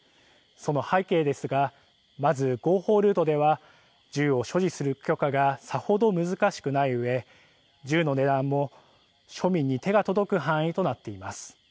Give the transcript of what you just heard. その背景ですがまず、合法ルートでは銃を所持する許可がさほど難しくないうえ銃の値段も庶民に手が届く範囲となっています。